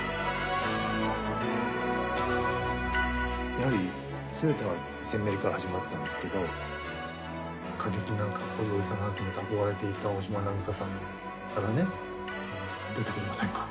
やはり全ては「戦メリ」から始まったんですけど過激なかっこいいおじ様だと思って憧れていた大島さんからね「出てくれませんか」。